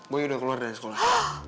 buyu udah keluar dari sekolah